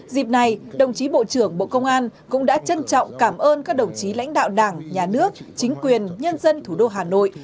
dịp này đồng chí bộ trưởng bộ công an cũng đã trân trọng cảm ơn các đồng chí lãnh đạo đảng nhà nước chính quyền nhân dân thủ đô hà nội